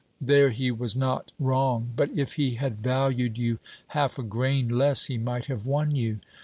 There he was not wrong. But if he had valued you half a grain less, he might have won you.